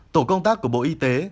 tổ công tác của bộ y tế